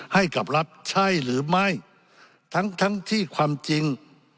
ให้กับรัฐใช่หรือไม่ทั้งทั้งที่ความจริง